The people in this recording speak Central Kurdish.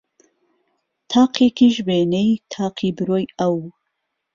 تاقێکیش وێنەی تاقی برۆی ئەو